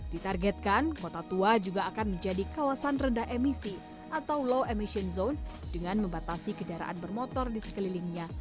ditargetkan kota tua juga akan menjadi kawasan rendah emisi atau low emission zone dengan membatasi kendaraan bermotor di sekelilingnya